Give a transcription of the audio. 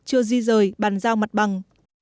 chưa di rời bàn giao mặt bằng